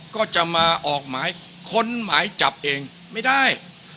ก็จะมาออกหมายค้นหมายจับเองไม่ได้